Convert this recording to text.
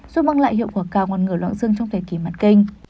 giúp mang lại hiệu quả cao ngăn ngửa loãng xương trong thời kỳ mạn kinh